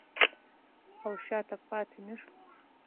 او شاته پاتې نشو.